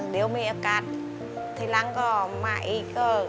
เดี๋ยวมีอากาศทีหลังก็มาอีกก็